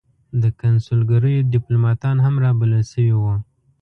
د کنسلګریو دیپلوماتان هم را بلل شوي وو.